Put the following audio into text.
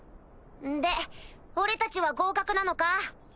で俺たちは合格なのか？